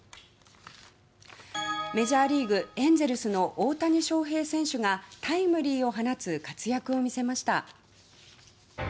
メジャーリーグエンゼルスの大谷翔平選手がタイムリーを放つ活躍を見せました。